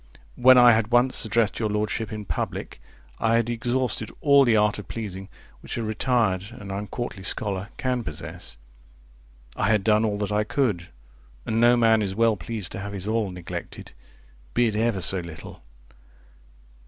When I had once addressed your Lordship in public, I had exhausted all the art of pleasing which a retired and uncourtly scholar can possess. I had done all that I could; and no man is well pleased to have his all neglected, be it ever so little.